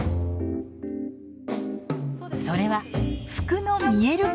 それは服の見える化。